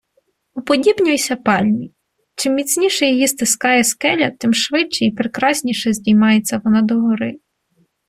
Уподібнюйся пальмі: чим міцніше її стискає скеля, тим швидше і прекрасніше здіймається вона догори.